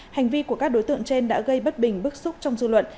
hành vi của các đối tượng trên đã gây bất bình bức xúc trong dư luận